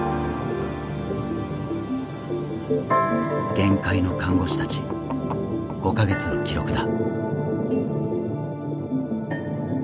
限界の看護師たち５か月の記録だ。